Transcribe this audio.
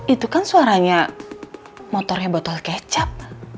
itu kan suaranya motornya botol kecap